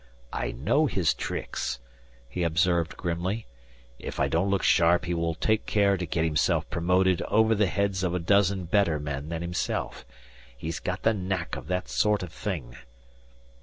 "I know his tricks," he observed grimly. "If I don't look sharp he will take care to get himself promoted over the heads of a dozen better men than himself. He's got the knack of that sort of thing."